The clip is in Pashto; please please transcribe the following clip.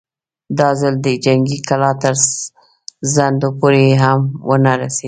دا ځل د جنګي کلا تر څنډو پورې هم ونه رسېد.